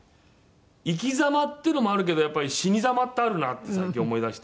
生き様っていうのもあるけどやっぱり死に様ってあるなって最近思いだして。